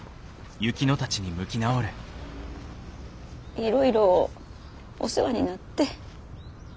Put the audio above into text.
いろいろお世話になって。